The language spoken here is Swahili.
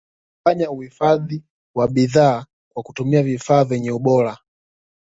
wanafanya uhifadhi wa bidhaa kwa kutumia vifaa vyenye ubora